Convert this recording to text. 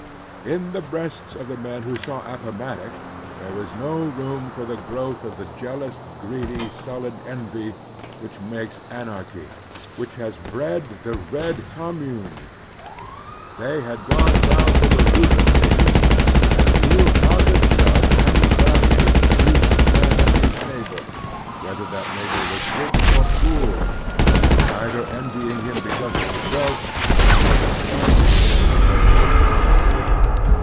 In the breasts of the men who saw Appomattox there was no room for the growth of the jealous, greedy, sullen envy which •'makes anarchy, which has bred the red Conunune. They had gone down to the root of things, and knew how to judge and value, each man his neigh bor, whether that neighbor was rich or poor; neither envying him because of his wealth, nor despising him because of his poverty.